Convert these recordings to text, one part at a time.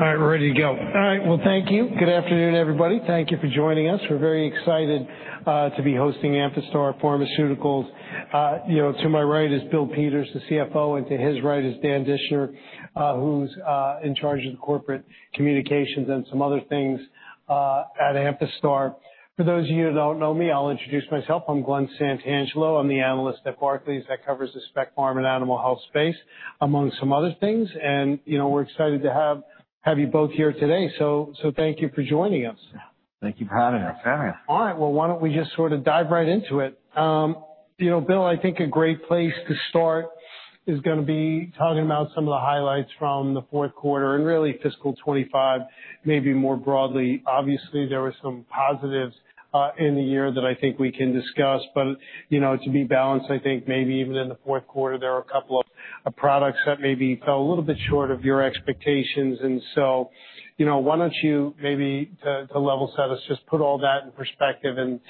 We're on. All right, we're ready to go. All right. Well, thank you. Good afternoon, everybody. Thank you for joining us. We're very excited to be hosting Amphastar Pharmaceuticals. You know, to my right is Bill Peters, the CFO, and to his right is Dan Dischner, who's in charge of the corporate communications and some other things at Amphastar. For those of you who don't know me, I'll introduce myself. I'm Glen Santangelo. I'm the analyst at Barclays that covers the specialty pharma and animal health space, among some other things. You know, we're excited to have you both here today. Thank you for joining us. Thank you for having us. Thank you for having us. All right. Well, why don't we just sort of dive right into it? You know, Bill, I think a great place to start is gonna be talking about some of the highlights from the fourth quarter and really fiscal 2025, maybe more broadly. Obviously, there were some positives in the year that I think we can discuss, but, you know, to be balanced, I think maybe even in the fourth quarter, there were a couple of products that maybe fell a little bit short of your expectations. You know, why don't you maybe to level set us, just put all that in perspective and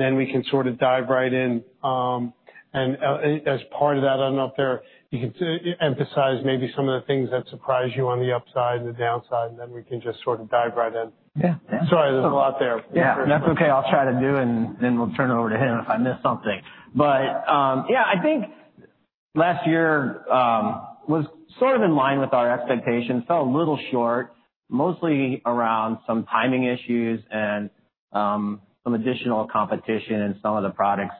then we can sort of dive right in. As part of that, I don't know, if there you can emphasize maybe some of the things that surprise you on the upside and the downside, and then we can just sort of dive right in. Yeah. Sorry, there's a lot there. Yeah, that's okay. I'll try to do. We'll turn it over to him if I miss something. I think last year was sort of in line with our expectations, fell a little short, mostly around some timing issues and some additional competition and some of the products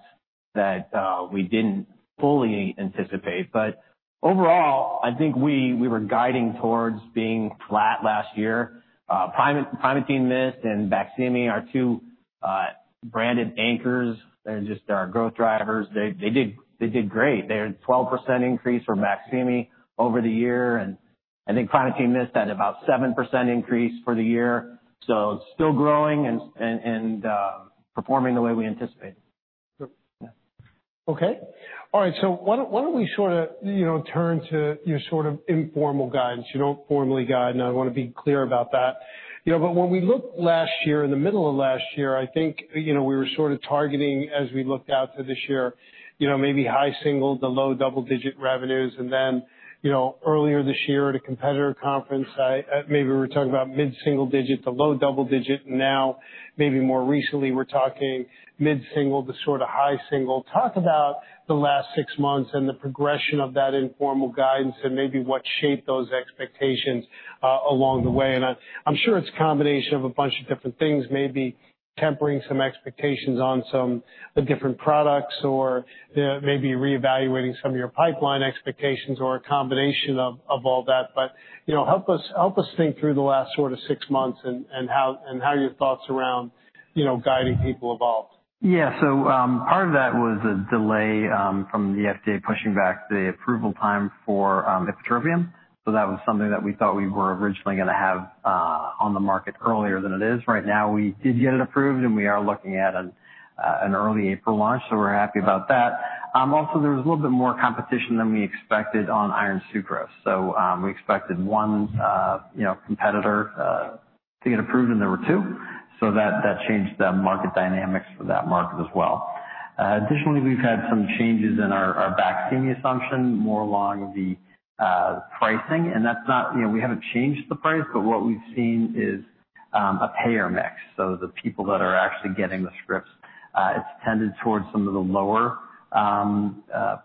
that we didn't fully anticipate. Overall, I think we were guiding towards being flat last year. Primatene MIST and BAQSIMI, our two branded anchors, they're just our growth drivers. They did great. They had 12% increase for BAQSIMI over the year, and I think Primatene MIST had about 7% increase for the year. Still growing and performing the way we anticipated. Okay. All right. Why don't we sort of, you know, turn to your sort of informal guidance. You don't formally guide, I wanna be clear about that. You know, when we looked last year, in the middle of last year, I think, you know, we were sort of targeting as we looked out to this year, you know, maybe high single to low double-digit revenues. You know, earlier this year at a competitor conference, maybe we were talking about mid-single digit to low double digit. Maybe more recently we're talking mid-single to sort of high single. Talk about the last six months and the progression of that informal guidance and maybe what shaped those expectations along the way. I'm sure it's a combination of a bunch of different things, maybe tempering some expectations on some different products or, maybe reevaluating some of your pipeline expectations or a combination of all that. You know, help us think through the last sort of six months and how your thoughts around, you know, guiding people evolved. Yeah. Part of that was a delay from the FDA pushing back the approval time for ipratropium. That was something that we thought we were originally gonna have on the market earlier than it is. Right now, we did get it approved, and we are looking at an early April launch, we're happy about that. There was a little bit more competition than we expected on iron sucrose. We expected one, you know, competitor to get approved, and there were two. That changed the market dynamics for that market as well. Additionally, we've had some changes in our BAQSIMI assumption more along the pricing. You know, we haven't changed the price, but what we've seen is a payer mix. The people that are actually getting the scripts, it's tended towards some of the lower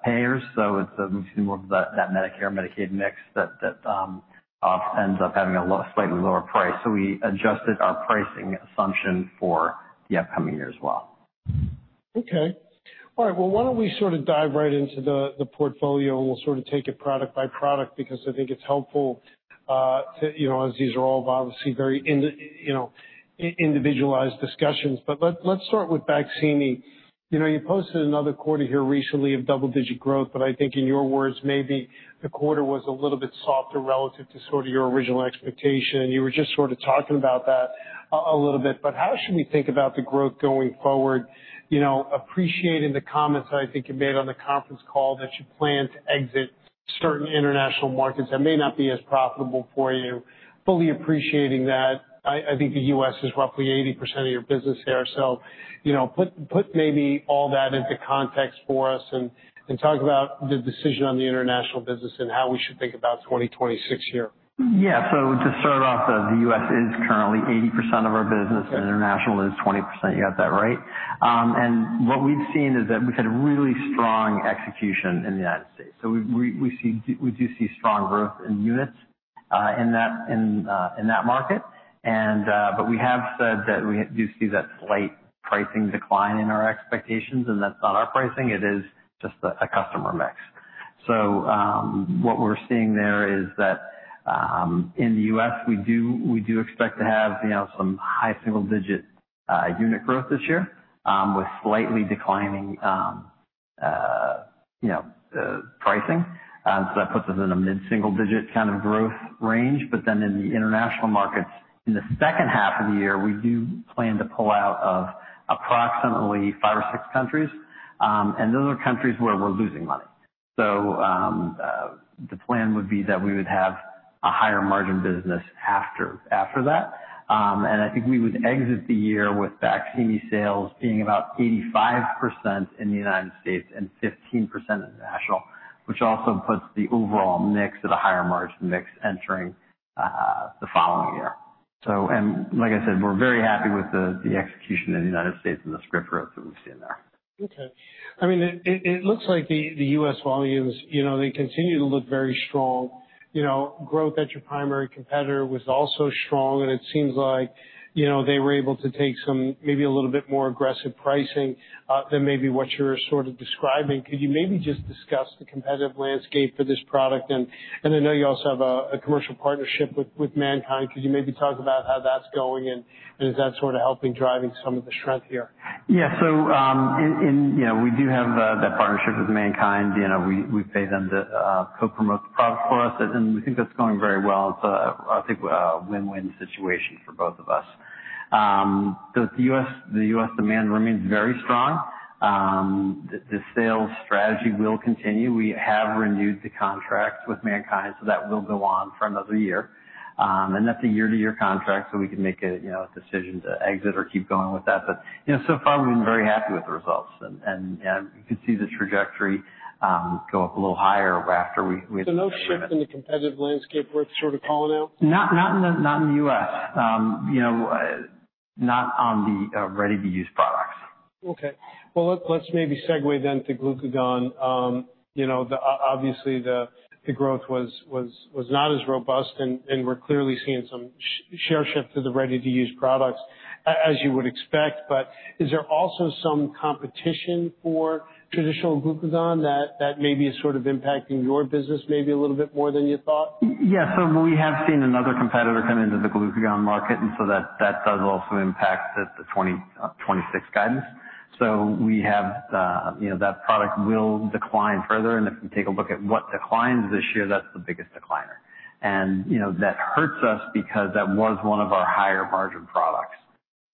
payers. It's a mixture more of that Medicare/Medicaid mix that, ends up having a slightly lower price. We adjusted our pricing assumption for the upcoming year as well. Okay. All right. Why don't we dive right into the portfolio and we'll take it product by product, because I think it's helpful, to, you know, as these are all obviously very individualized discussions. Let's start with BAQSIMI. You know, you posted another quarter here recently of double-digit growth, but I think in your words, maybe the quarter was a little bit softer relative to your original expectation. You were just talking about that a little bit, but how should we think about the growth going forward? You know, appreciating the comments I think you made on the conference call that you plan to exit certain international markets that may not be as profitable for you. Fully appreciating that. I think the U.S. is roughly 80% of your business there. You know, put maybe all that into context for us and talk about the decision on the international business and how we should think about 2026 here. Yeah. To start off, the U.S. is currently 80% of our business and international is 20%. You got that right. What we've seen is that we've had a really strong execution in the U.S. We do see strong growth in units in that, in that market. We have said that we do see that slight pricing decline in our expectations, that's not our pricing, it is just a customer mix. What we're seeing there is that in the U.S., we do expect to have, you know, some high single-digit unit growth this year, with slightly declining, you know, pricing. That puts us in a mid-single digit kind of growth range. In the international markets in the second half of the year, we do plan to pull out of approximately five or six countries. Those are countries where we're losing money. The plan would be that we would have a higher margin business after that. I think we would exit the year with BAQSIMI sales being about 85% in the United States and 15% international, which also puts the overall mix at a higher margin mix entering the following year. Like I said, we're very happy with the execution in the United States and the script growth that we've seen there. Okay. I mean, it looks like the U.S. volumes, you know, they continue to look very strong. You know, growth at your primary competitor was also strong, and it seems like, you know, they were able to take some maybe a little bit more aggressive pricing than maybe what you're sort of describing. Could you maybe just discuss the competitive landscape for this product? I know you also have a commercial partnership with MannKind. Could you maybe talk about how that's going and is that sort of helping driving some of the strength here? Yeah. You know, we do have that partnership with MannKind. You know, we pay them to co-promote the product for us, we think that's going very well. It's, I think, a win-win situation for both of us. The U.S., the U.S. demand remains very strong. The sales strategy will continue. We have renewed the contract with MannKind, that will go on for another year. That's a year-to-year contract, we can make a, you know, a decision to exit or keep going with that. You know, so far, we've been very happy with the results. You can see the trajectory go up a little higher after we. No shift in the competitive landscape worth sort of calling out? Not in the U.S., you know, not on the ready-to-use products. Okay. Well, let's maybe segue to glucagon. You know, obviously, the growth was not as robust, we're clearly seeing some share shift to the ready-to-use products, as you would expect. Is there also some competition for traditional glucagon that maybe is sort of impacting your business maybe a little bit more than you thought? Yeah. We have seen another competitor come into the glucagon market, that does also impact the 2026 guidance. We have, you know, that product will decline further. If you take a look at what declines this year, that's the biggest decliner. You know, that hurts us because that was 1 of our higher margin products.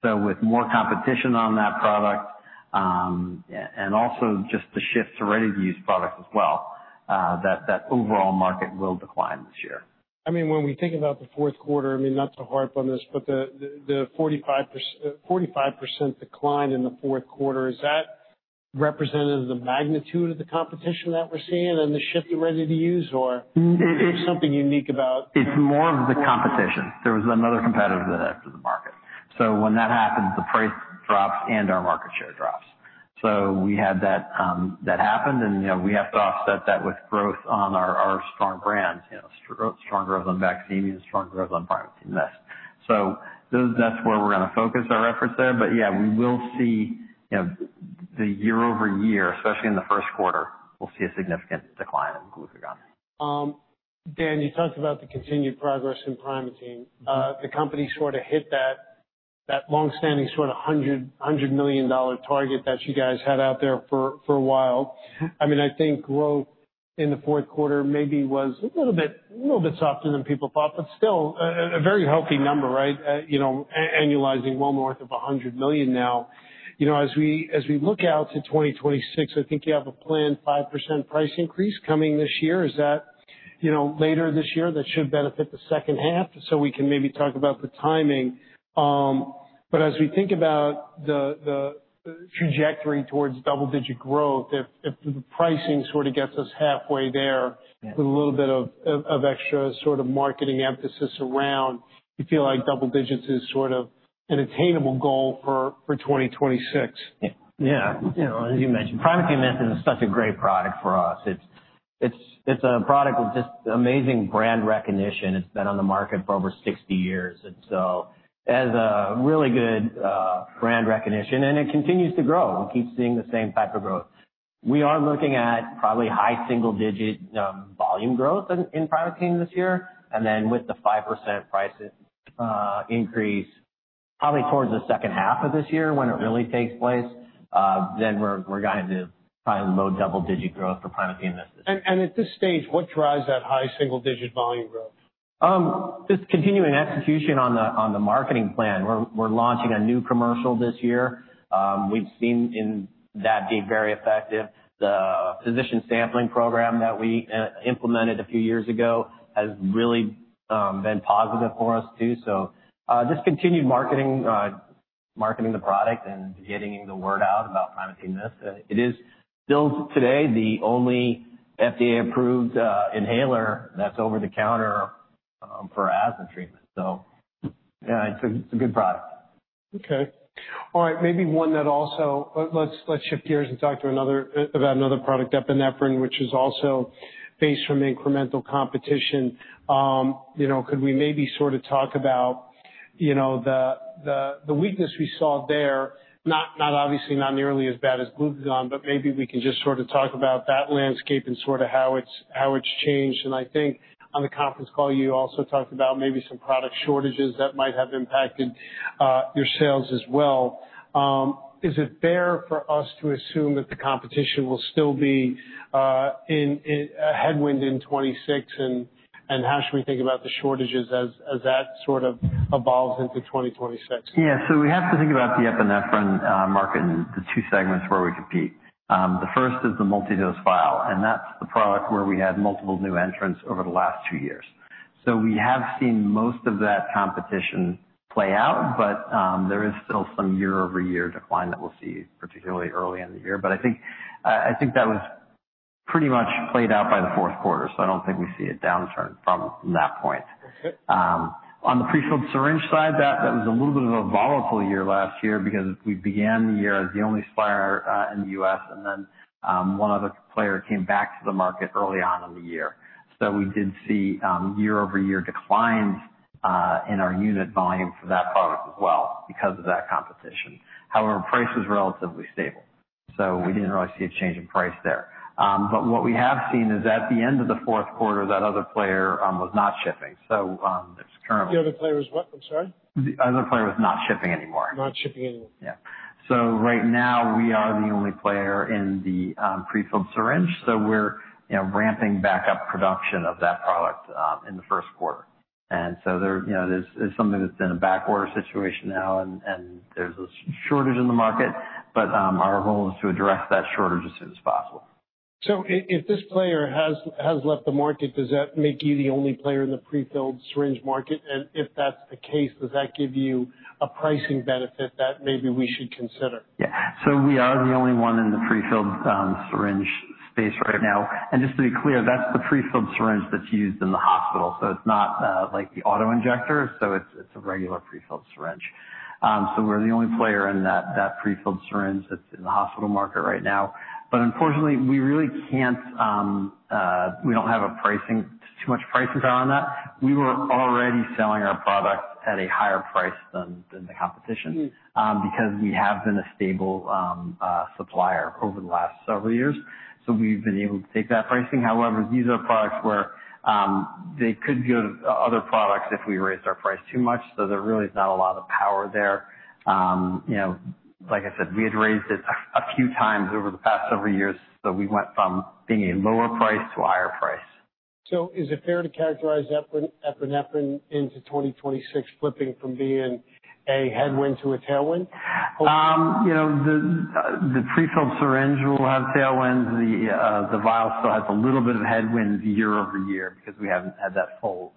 With more competition on that product, and also just the shift to ready-to-use products as well, that overall market will decline this year. I mean, when we think about the fourth quarter, I mean, not to harp on this, but the 45% decline in the fourth quarter, is that representative of the magnitude of the competition that we're seeing and the shift to ready to use, or is there something unique about? It's more of the competition. There was another competitor that entered the market. When that happens, the price drops and our market share drops. We had that happen, and, you know, we have to offset that with growth on our strong brands. You know, strong growth on BAQSIMI and strong growth on Primatene MIST. That's where we're gonna focus our efforts there. Yeah, we will see, you know, the year-over-year, especially in the first quarter, we'll see a significant decline in glucagon. Dan, you talked about the continued progress in Primatene. The company sort of hit that long-standing sort of $100 million target that you guys had out there for a while. I mean, I think growth in the fourth quarter maybe was a little bit softer than people thought, but still a very healthy number, right? You know, annualizing one month of $100 million now. You know, as we look out to 2026, I think you have a planned 5% price increase coming this year. Is that, you know, later this year, that should benefit the second half? We can maybe talk about the timing. As we think about the trajectory towards double-digit growth, if the pricing sort of gets us halfway there- Yeah. with a little bit of extra sort of marketing emphasis around, you feel like double digits is sort of an attainable goal for 2026? Yeah. You know, as you mentioned, Primatene MIST is such a great product for us. It's a product with just amazing brand recognition. It's been on the market for over 60 years, and so it has a really good brand recognition, and it continues to grow. We keep seeing the same type of growth. We are looking at probably high single-digit volume growth in Primatene this year. With the 5% prices increase probably towards the second half of this year when it really takes place, then we're guided to probably low double-digit growth for Primatene MIST this year. At this stage, what drives that high single-digit volume growth? Just continuing execution on the marketing plan. We're launching a new commercial this year. We've seen in that be very effective. The physician sampling program that we implemented a few years ago has really been positive for us too. just continued marketing the product and getting the word out about Primatene MIST. It is still today the only FDA-approved inhaler that's over the counter for asthma treatment. Yeah, it's a good product. Okay. All right. Maybe one. Let's shift gears and talk to another product, epinephrine, which is also faced from incremental competition. You know, could we maybe sort of talk about, you know, the weakness we saw there? Not obviously, not nearly as bad as glucagon, but maybe we can just sort of talk about that landscape and sort of how it's changed. I think on the conference call, you also talked about maybe some product shortages that might have impacted your sales as well. Is it fair for us to assume that the competition will still be a headwind in 2026? How should we think about the shortages as that sort of evolves into 2026? Yeah. We have to think about the epinephrine market and the two segments where we compete. The first is the multi-dose vial, and that's the product where we had multiple new entrants over the last two years. We have seen most of that competition play out, but there is still some year-over-year decline that we'll see particularly early in the year. I think that was pretty much played out by the fourth quarter, so I don't think we see a downturn from that point. On the prefilled syringe side, that was a little bit of a volatile year last year because we began the year as the only supplier in the U.S., and then one other player came back to the market early on in the year. We did see year-over-year declines in our unit volume for that product as well because of that competition. However, price was relatively stable, so we didn't really see a change in price there. What we have seen is, at the end of the fourth quarter, that other player was not shipping. The other player was what? I'm sorry. The other player was not shipping anymore. Not shipping anymore. Right now we are the only player in the prefilled syringe, so we're, you know, ramping back up production of that product in the first quarter. There, you know, there's something that's in a backorder situation now and there's a shortage in the market. Our goal is to address that shortage as soon as possible. If this player has left the market, does that make you the only player in the prefilled syringe market? If that's the case, does that give you a pricing benefit that maybe we should consider? We are the only one in the prefilled syringe space right now. Just to be clear, that's the prefilled syringe that's used in the hospital. It's not like the auto-injector, so it's a regular prefilled syringe. We're the only player in that prefilled syringe that's in the hospital market right now. Unfortunately, we really can't, we don't have too much pricing power on that. We were already selling our product at a higher price than the competition because we have been a stable supplier over the last several years, we've been able to take that pricing. These are products where they could go to other products if we raised our price too much, there really is not a lot of power there. You know, like I said, we had raised it a few times over the past several years, so we went from being a lower price to a higher price. Is it fair to characterize epinephrine into 2026 flipping from being a headwind to a tailwind? You know, the prefilled syringe will have tailwinds. The vial still has a little bit of headwinds year-over-year because we haven't had that full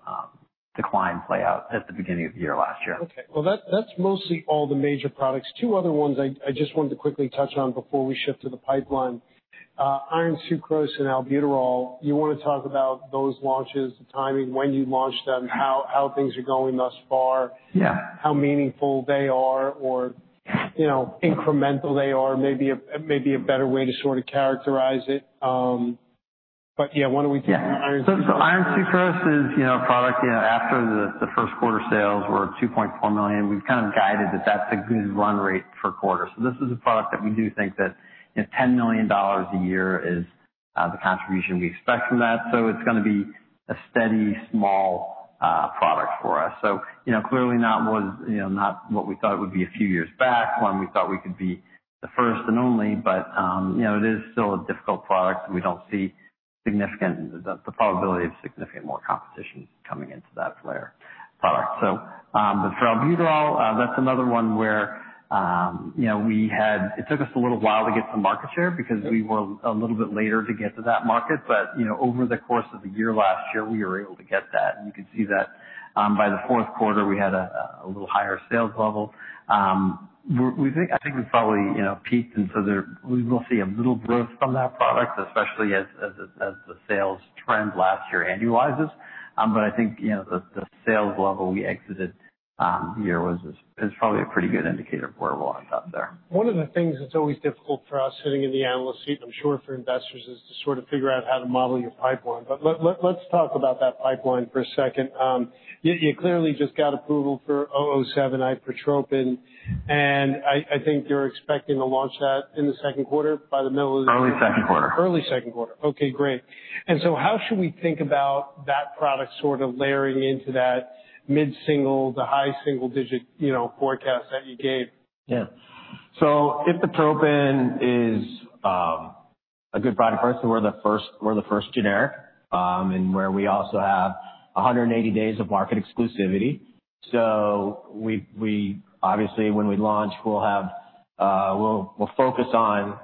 decline play out at the beginning of the year last year. Okay. Well, that's mostly all the major products. Two other ones I just wanted to quickly touch on before we shift to the pipeline. Iron sucrose and albuterol, you wanna talk about those launches, the timing, when you launched them, how things are going thus far? Yeah. How meaningful they are, or, you know, incremental they are, maybe a better way to sort of characterize it. Yeah, why don't we talk about iron sucrose? Iron sucrose is, you know, a product, you know, after the first quarter sales were $2.4 million. We've kind of guided that that's a good run rate for a quarter. This is a product that we do think that, you know, $10 million a year is the contribution we expect from that. It's gonna be a steady, small product for us. you know, clearly not what was, you know, not what we thought it would be a few years back when we thought we could be the first and only. you know, it is still a difficult product. We don't see the probability of significant more competition coming into that product. But for albuterol, that's another one where, you know, it took us a little while to get some market share because we were a little bit later to get to that market. You know, over the course of the year last year, we were able to get that. You can see that, by the fourth quarter, we had a little higher sales level. We think I think we've probably, you know, peaked, and so we will see a little growth from that product, especially as the sales trend last year annualizes. I think, you know, the sales level we exited the year was, is probably a pretty good indicator of where it will end up there. One of the things that's always difficult for us sitting in the analyst seat, and I'm sure for investors, is to sort of figure out how to model your pipeline. Let's talk about that pipeline for a second. You clearly just got approval for AMP-007 ipratropium, and I think you're expecting to launch that in the second quarter, by the middle of the second quarter. Early second quarter. Early second quarter. Okay, great. How should we think about that product sort of layering into that mid-single to high single digit, you know, forecast that you gave? Yeah. Ipratropium is a good product for us, and we're the first generic, and where we also have 180 days of market exclusivity. We obviously, when we launch, we'll have, we'll focus on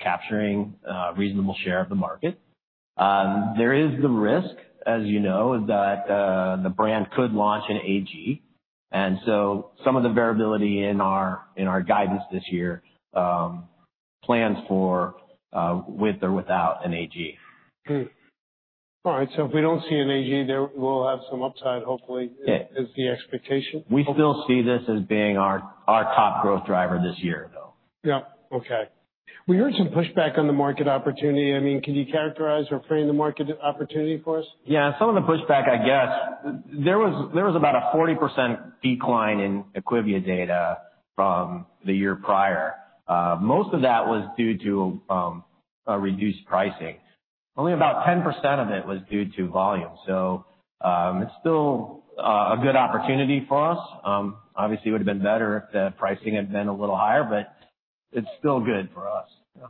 capturing a reasonable share of the market. There is the risk, as you know, that the brand could launch an AG. Some of the variability in our guidance this year, plans for with or without an AG. All right. If we don't see an AG there, we'll have some upside, hopefully. Yeah. -is the expectation. We still see this as being our top growth driver this year, though. We heard some pushback on the market opportunity. I mean, can you characterize or frame the market opportunity for us? Some of the pushback, I guess, there was about a 40% decline in IQVIA data from the year prior. Most of that was due to reduced pricing. Only about 10% of it was due to volume. It's still a good opportunity for us. Obviously, it would've been better if the pricing had been a little higher, but it's still good for us. Yeah.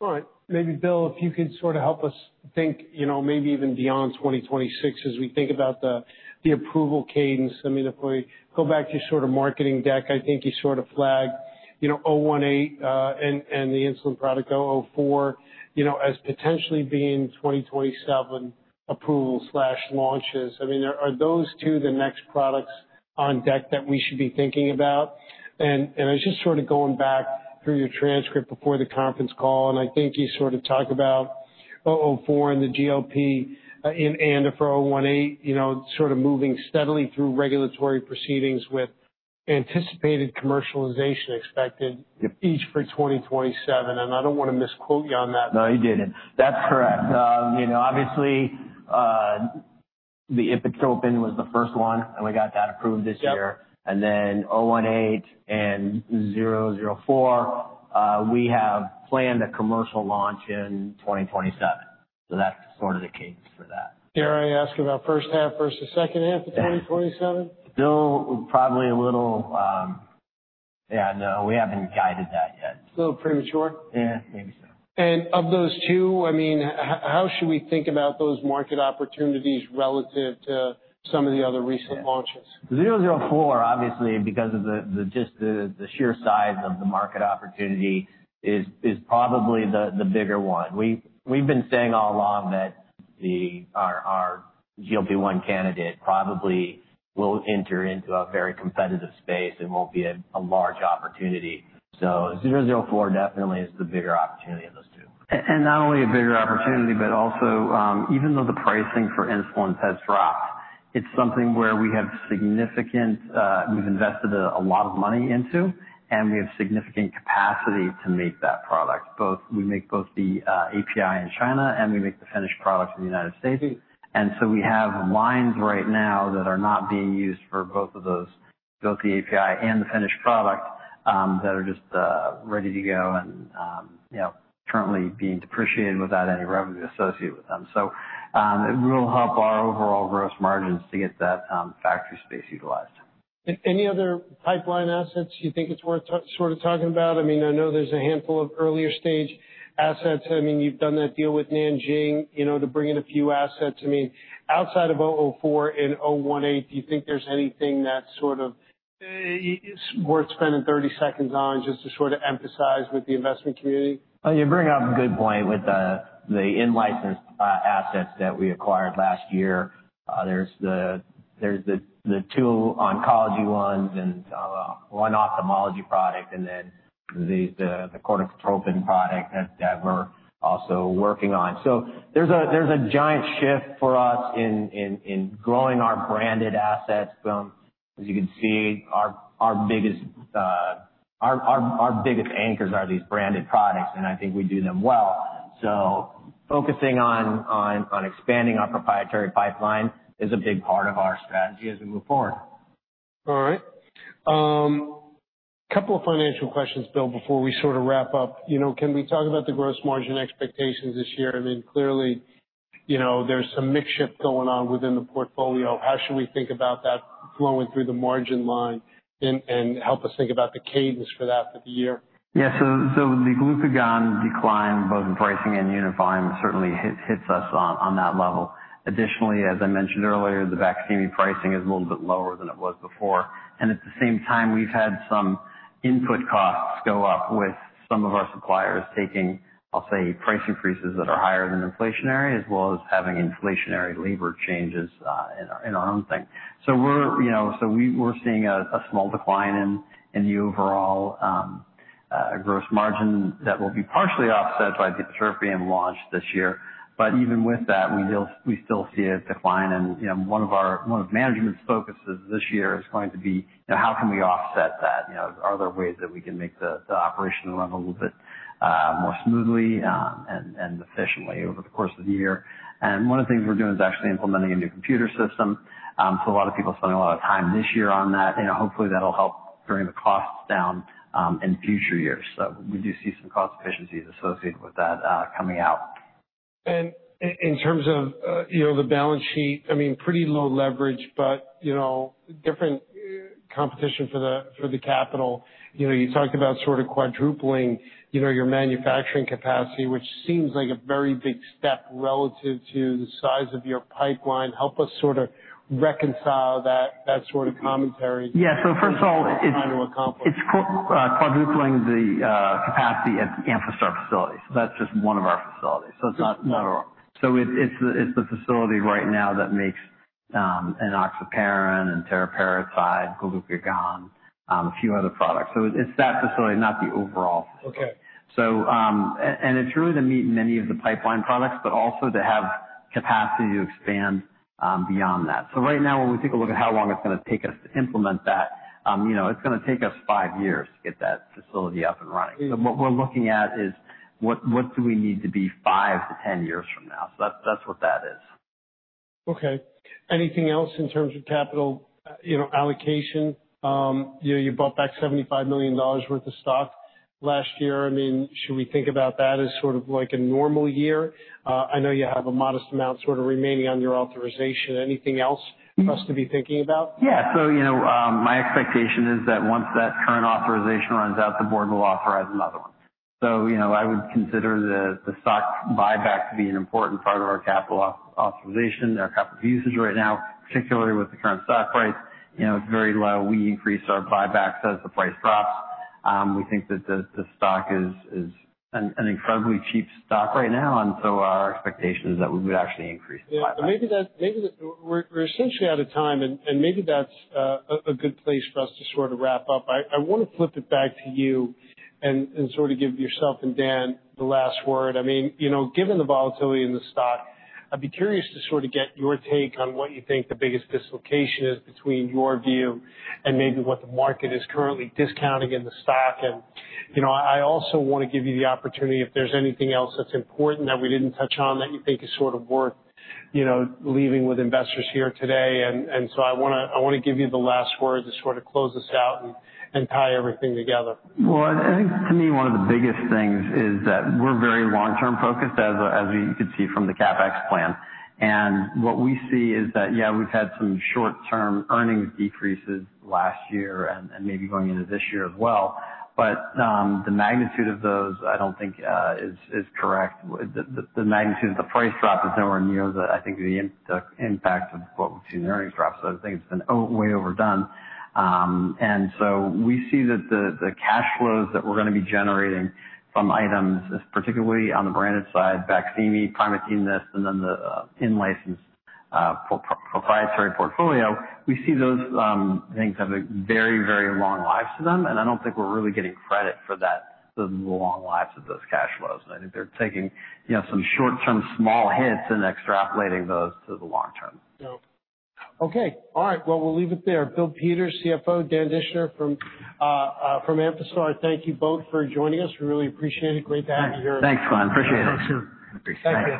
All right. Maybe, Bill, if you could sort of help us think, you know, maybe even beyond 2026 as we think about the approval cadence. I mean, if we go back to your sort of marketing deck, I think you sort of flagged, you know, AMP-018 and the insulin product AMP-004, you know, as potentially being 2027 approval slash launches. I mean, are those two the next products on deck that we should be thinking about? I was just sort of going back through your transcript before the conference call, and I think you sort of talked about AMP-004 and the GLP in and for AMP-018, you know, sort of moving steadily through regulatory proceedings with anticipated commercialization expected each for 2027. I don't wanna misquote you on that. No, you didn't. That's correct. You know, obviously, the ipratropium was the first one, and we got that approved this year. Yep. AMP-018 and 004, we have planned a commercial launch in 2027. That's sort of the case for that. Dare I ask about first half versus second half of 2027? Still probably a little, Yeah, no, we haven't guided that yet. A little premature? Yeah. Maybe so. Of those two, I mean, how should we think about those market opportunities relative to some of the other recent launches? 004, obviously, because of the just, the sheer size of the market opportunity is probably the bigger one. We've been saying all along that our GLP-1 candidate probably will enter into a very competitive space and won't be a large opportunity. 004 definitely is the bigger opportunity of those two. Not only a bigger opportunity, but also, even though the pricing for insulin has dropped, it's something where we have significant, we've invested a lot of money into, and we have significant capacity to make that product. We make both the API in China, and we make the finished product in the United States. We have lines right now that are not being used for both of those, both the API and the finished product, that are just ready to go and, you know, currently being depreciated without any revenue associated with them. It will help our overall gross margins to get that factory space utilized. Any other pipeline assets you think it's worth sort of talking about? I mean, I know there's a handful of earlier stage assets. I mean, you've done that deal with Nanjing, you know, to bring in a few assets. I mean, outside of 004 and 018, do you think there's anything that's sort of worth spending 30 seconds on just to sort of emphasize with the investment community? You bring up a good point with the in-licensed assets that we acquired last year. There's the two oncology ones and one ophthalmology product and then the corticotropin product that we're also working on. There's a giant shift for us in growing our branded assets from As you can see, our biggest anchors are these branded products, and I think we do them well. Focusing on expanding our proprietary pipeline is a big part of our strategy as we move forward. All right. Couple of financial questions, Bill, before we sort of wrap up. You know, can we talk about the gross margin expectations this year? I mean, clearly, you know, there's some mix shift going on within the portfolio. How should we think about that flowing through the margin line and help us think about the cadence for that for the year? Yeah. The glucagon decline, both in pricing and unit volume, certainly hits us on that level. Additionally, as I mentioned earlier, the BAQSIMI pricing is a little bit lower than it was before. At the same time, we've had some input costs go up with some of our suppliers taking, I'll say, price increases that are higher than inflationary, as well as having inflationary labor changes in our own thing. We're, you know, we're seeing a small decline in the overall gross margin that will be partially offset by the teriparatide launch this year. Even with that, we still see a decline and, you know, one of management's focuses this year is going to be, you know, how can we offset that? You know, are there ways that we can make the operation run a little bit more smoothly and efficiently over the course of the year? One of the things we're doing is actually implementing a new computer system. A lot of people are spending a lot of time this year on that, and hopefully that'll help bring the costs down in future years. We do see some cost efficiencies associated with that coming out. In terms of, you know, the balance sheet, I mean, pretty low leverage, but, you know, different competition for the, for the capital. You know, you talked about sort of quadrupling, you know, your manufacturing capacity, which seems like a very big step relative to the size of your pipeline. Help us sort of reconcile that sort of commentary? Yeah. In terms of what you're trying to accomplish. It's quadrupling the capacity at the Amphastar facility. That's just one of our facilities. It's not overall. It's the facility right now that makes enoxaparin, and teriparatide, glucagon, a few other products. It's that facility, not the overall. Okay. And it's really to meet many of the pipeline products, but also to have capacity to expand beyond that. Right now, when we take a look at how long it's gonna take us to implement that, you know, it's gonna take us five years to get that facility up and running. What we're looking at is what do we need to be five to 10 years from now? That's what that is. Okay. Anything else in terms of capital, you know, allocation? You know, you bought back $75 million worth of stock last year. I mean, should we think about that as sort of like a normal year? I know you have a modest amount sort of remaining on your authorization. Anything else for us to be thinking about? Yeah. You know, my expectation is that once that current authorization runs out, the board will authorize another one. You know, I would consider the stock buyback to be an important part of our capital authorization, our capital usage right now, particularly with the current stock price. You know, it's very low. We increase our buybacks as the price drops. We think that the stock is an incredibly cheap stock right now, our expectation is that we would actually increase the buyback. Yeah. We're essentially out of time, maybe that's a good place for us to sort of wrap up. I wanna flip it back to you sort of give yourself and Dan the last word. I mean, you know, given the volatility in the stock, I'd be curious to sort of get your take on what you think the biggest dislocation is between your view and maybe what the market is currently discounting in the stock. You know, I also wanna give you the opportunity, if there's anything else that's important that we didn't touch on that you think is sort of worth, you know, leaving with investors here today. I wanna give you the last word to sort of close this out tie everything together. Well, I think, to me, one of the biggest things is that we're very long-term focused as you can see from the CapEx plan. What we see is that, yeah, we've had some short-term earnings decreases last year and maybe going into this year as well, but the magnitude of those, I don't think, is correct. The magnitude of the price drop is nowhere near the, I think, the impact of what we've seen in the earnings drop. I think it's been way overdone. We see that the cash flows that we're gonna be generating from items, particularly on the branded side, BAQSIMI, Primatene MIST, and then the in-license proprietary portfolio. We see those things have a very, very long lives to them, and I don't think we're really getting credit for that, the long lives of those cash flows. I think they're taking, you know, some short-term small hits and extrapolating those to the long term. Yeah. Okay. All right. Well, we'll leave it there. Bill Peters, CFO, Dan Dischner from Amphastar. Thank you both for joining us. We really appreciate it. Great to have you here. Thanks, Glen Santangelo. Appreciate it. Thanks, Glen Santangelo. Thank you.